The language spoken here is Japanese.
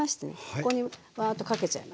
ここにわあっとかけちゃいますね。